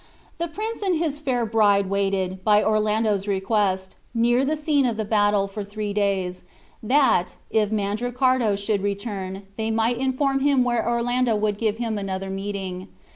The prince and his fair bride waited, by Orlando's request, near the scene of the battle for three days, that, if Mandricardo should return, they might inform him where Orlando would give him another meeting.